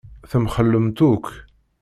Temxellemt akk.